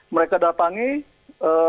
mereka datang ke rumah mereka